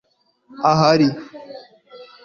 ahari